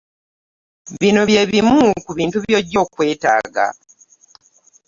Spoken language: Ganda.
Bino bye bimu ku bintu by'ojja okwetaaga.